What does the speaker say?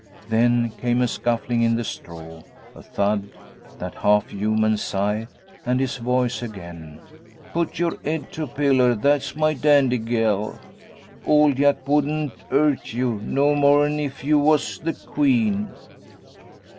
Then came a scuffling in the straw, a thud, that half human sigh, and his voice again: 'Putt your 'ead to piller, that's my dandy gel. Old Jack wouldn' 'urt yu; no more'n if yu was the Queen!'